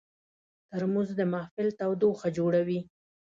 ترموز د محفل تودوخه جوړوي.